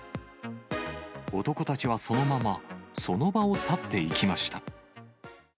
男たちはそのまま、その場を去っていきました。